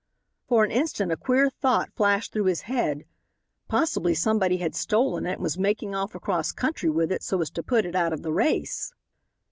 For an instant a queer thought flashed through his head. Possibly somebody had stolen it and was making off across country with it so as to put it out of the race.